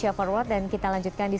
kita akan bahas lebih lanjut lagi nanti